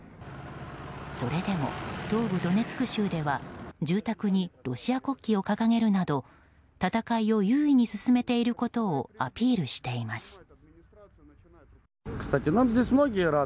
それでも東部ドネツク州では住宅にロシア国旗を掲げるなど戦いを優位に進めていることをアピールしています。